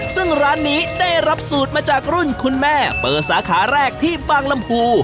ซึ่งร้านนี้ได้รับสูตรมาจากรุ่นคุณแม่เปิดสาขาแรกที่บางลำพู